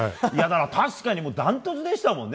確かに、断トツでしたもんね。